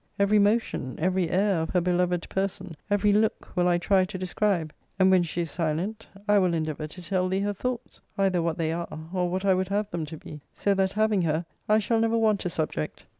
Every motion, every air of her beloved person, every look, will I try to describe; and when she is silent, I will endeavour to tell thee her thoughts, either what they are, or what I would have them to be so that, having her, I shall never want a subject.